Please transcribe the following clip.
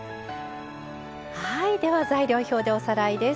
はいでは材料表でおさらいです。